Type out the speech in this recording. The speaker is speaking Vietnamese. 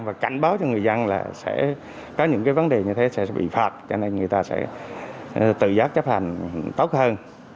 và cảnh báo cho người dân là sẽ có những cái vấn đề như thế sẽ bị phạt cho nên người ta sẽ tự giác chấp hành tốt hơn